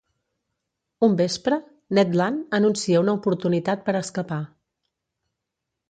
Un vespre, Ned Land anuncia una oportunitat per escapar.